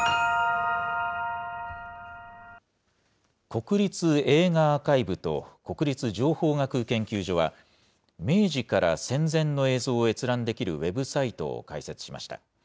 国立映画アーカイブと国立情報学研究所は、明治から戦前の映像を閲覧できるウェブサイトを開設しました。